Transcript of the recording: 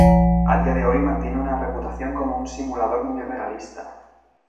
Al día de hoy mantiene una reputación como un simulador muy realista.